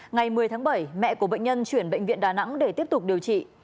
ngày một mươi tháng bảy mẹ của bệnh nhân chuyển bệnh viện đà nẵng để tiếp tục điều trị